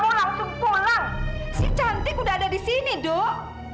oh langsung pulang si cantik udah ada di sini dok